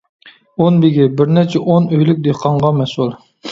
ئون بېگى: بىر نەچچە ئون ئۆيلۈك دېھقانغا مەسئۇل.